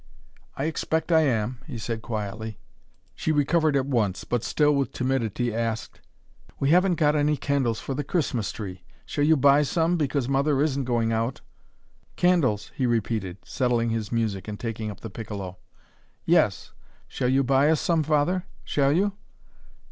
"I expect I am," he said quietly. She recovered at once, but still with timidity asked: "We haven't got any candles for the Christmas tree shall you buy some, because mother isn't going out?" "Candles!" he repeated, settling his music and taking up the piccolo. "Yes shall you buy us some, Father? Shall you?"